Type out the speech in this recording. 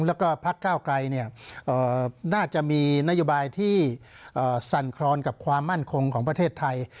แล้วก็พักก้าวไกลน่าจะมีนโยบายที่สั่นครอนกับความมั่นคงของประเทศไทย